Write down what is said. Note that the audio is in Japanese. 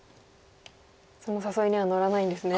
その誘いには乗らないんですね。